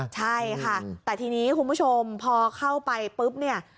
ใช่ค่ะแต่ทีนี้คุณผู้ชมพอเข้าไปปุ๊บเนี่ย